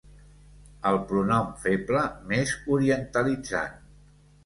El pronom feble més orientalitzant.